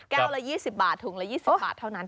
ละ๒๐บาทถุงละ๒๐บาทเท่านั้น